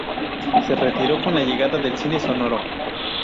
Se retiró con la llegada del cine sonoro.